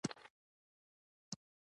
مستعارمنه د ا ستعارې دوهم شکل دﺉ.